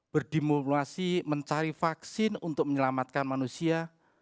berdemosi mencari vaksin untuk menyelamatkan manusia